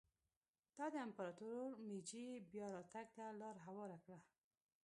دا د امپراتور مېجي بیا راتګ ته لار هواره کړه.